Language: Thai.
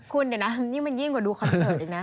คุณเดี๋ยวนะยิ่งมันยิ่งกว่าดูคอนเสิร์ตอีกนะ